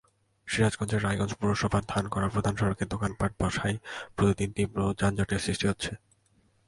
সিরাজগঞ্জের রায়গঞ্জ পৌরসভার ধানগড়া প্রধান সড়কে দোকানপাট বসায় প্রতিদিন তীব্র যানজটের সৃষ্টি হচ্ছে।